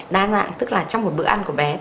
đa dạng tức là trong một bữa ăn của bé